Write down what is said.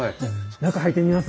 中入ってみます？